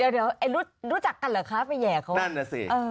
เดี๋ยวไอ้รู้รู้จักกันเหรอครับอ่าแยกเขานั่นแหละสิเออ